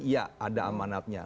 ya ada amanatnya